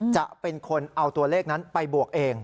จะเป็นคนเอาตัวเลขนั้นไปบวกเอง